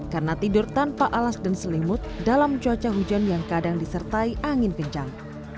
karena tidur tanpa alas dan selimut dalam cuaca hujan yang kadang disertai angin kencang